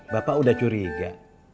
bapak udah curiga